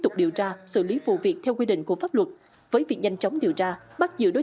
tục điều tra xử lý vụ việc theo quy định của pháp luật với việc nhanh chóng điều tra bắt giữ đối